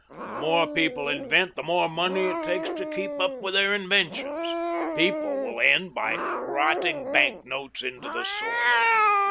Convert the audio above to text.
The more people invent, the more money it takes to keep up with their inventions. People will end by rotting bank notes into the soil.